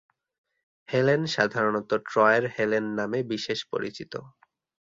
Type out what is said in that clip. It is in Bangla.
হেলেন সাধারণত ট্রয়ের হেলেন নামে বিশেষ পরিচিত।